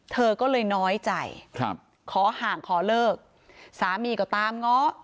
เธอก็เลยน้อยใจครับขอห่างขอเลิกสามีก็ตามง้อ